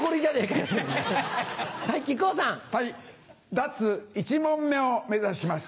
脱１問目を目指します。